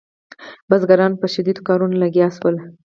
بزګران په شدیدو کارونو لګیا شول.